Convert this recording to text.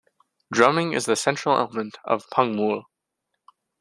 Drumming is the central element of pungmul.